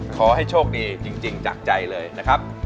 ขอให้โชคดีจริงจากใจเลยนะครับ